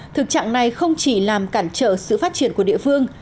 thực trạng này không chỉ làm cản trở sự phát triển của địa phương